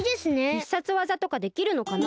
必殺技とかできるのかな？